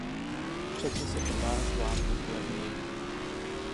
Přece se to snad dá zvládnout levněji!